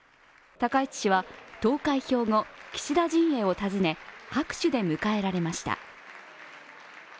高市氏は投開票後、岸田陣営を訪ねて拍手で迎えられました。